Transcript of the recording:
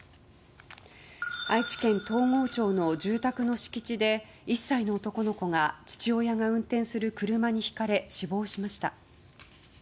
愛知県東郷町の住宅の敷地で１歳の男の子が父親が運転する車にひかれ死亡しました。